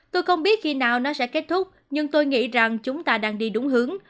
tôi không biết khi nào nó sẽ kết thúc nhưng tôi nghĩ rằng chúng ta đang đi đúng hướng